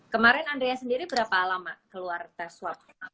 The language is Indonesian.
kemarin andria sendiri berapa lama keluar test swab